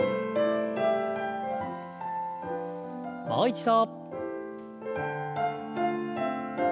もう一度。